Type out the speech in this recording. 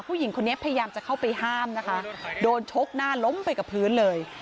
ผู้หญิงคนนี้พยายามจะเข้าไปห้ามนะคะโดนชกหน้าล้มไปกับพื้นเลย